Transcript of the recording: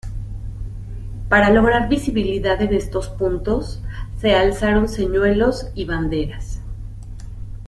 Para lograr visibilidad en estos puntos, se alzaron señuelos y banderas.